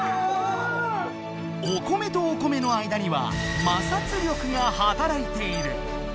お米とお米の間には摩擦力がはたらいている。